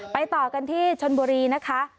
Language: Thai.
ต่อกันที่ชนบุรีนะคะ